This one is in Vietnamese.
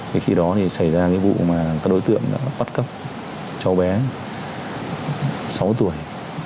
thì khi đó thì xảy ra cái vụ mà các đối tượng đã bắt cắp cháu bé sáu tuổi